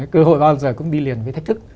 cơ hội bao giờ cũng đi liền với thách thức